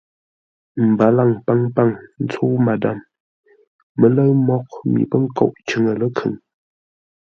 Mbalaŋ paŋpaŋ ntsə́u Madâm mələ̂ʉ mǒghʼ mi pə́ nkóʼ cʉŋə ləkhʉŋ.